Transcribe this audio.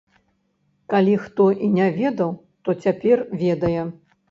Калі хто і не ведаў, то цяпер ведае!